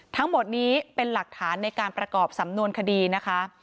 ทั้งหมดนี้เป็นหลักฐานในการประกอบสำนวนคดีนะคะ